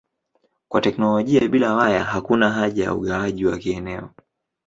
Kwa teknolojia bila waya hakuna haja ya ugawaji wa kieneo.